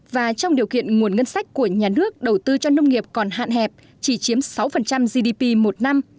và trong điều kiện nguồn ngân sách của nhà nước đầu tư cho nông nghiệp còn hạn hẹp chỉ chiếm sáu gdp một năm